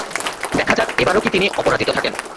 দেখা যাক, এবারও কি তিনি অপরাজিত থাকেন।